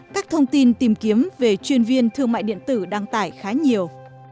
các doanh nghiệp tìm kiếm về chuyên viên thương mại điện tử đang tải khá nhiều